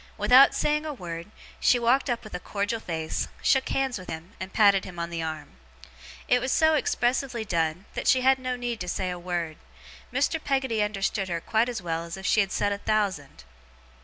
Without saying a word, she walked up with a cordial face, shook hands with him, and patted him on the arm. It was so expressively done, that she had no need to say a word. Mr. Peggotty understood her quite as well as if she had said a thousand.